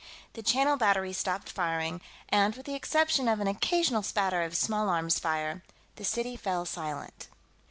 The Channel Battery stopped firing, and, with the exception of an occasional spatter of small arms fire, the city fell silent.